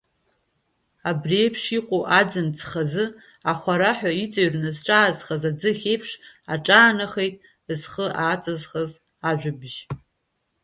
Абри еиԥш иҟоу аӡын ҵхазы, ахәараҳәа иҵыҩрны зҿаазхаз аӡыхь еиԥш, аҿаанахеит зхы ааҵызхыз ажәабжь.